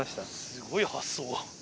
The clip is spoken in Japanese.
すごい発想。